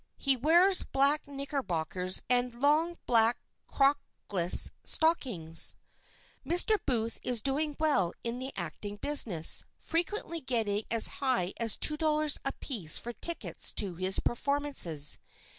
He wears black knickerbockers and long, black, crockless stockings. Mr. Booth is doing well in the acting business, frequently getting as high as $2 apiece for tickets to his performances.